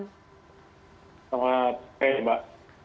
selamat sore mbak